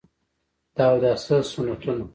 د اوداسه سنتونه: